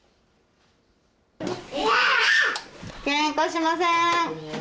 けんかしません。